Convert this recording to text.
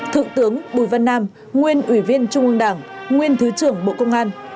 thượng tướng bùi văn nam nguyên ủy viên trung ương đảng nguyên thứ trưởng bộ công an